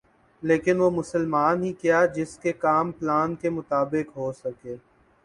لیکن وہ مسلمان ہی کیا جس کے کام پلان کے مطابق ہوسک